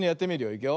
いくよ。